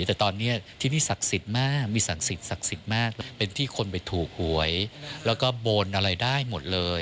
แต่ตอนนี้ที่นี่ศักดิ์สิทธิ์มากมีศักดิ์สิทธิ์มากเป็นที่คนไปถูกหวยแล้วก็โบนอะไรได้หมดเลย